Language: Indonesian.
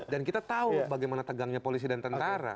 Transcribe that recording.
dan kita tahu bagaimana tegangnya polisi dan tentara